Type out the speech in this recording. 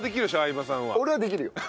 相葉さんは。俺はできるよ。